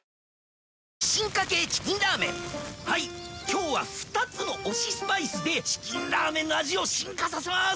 今日は二つの推しスパイスで『チキンラーメン』の味を進化させます